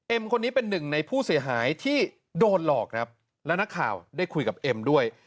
คนนี้เป็นหนึ่งในผู้เสียหายที่โดนหลอกครับแล้วนักข่าวได้คุยกับเอ็มด้วย